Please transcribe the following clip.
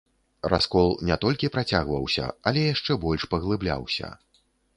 Раскол не толькі працягваўся, але яшчэ больш паглыбляўся.